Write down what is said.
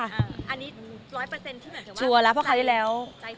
อันนี้๑๐๐ที่เหมือนเถอะว่าใจพร้อมแล้ว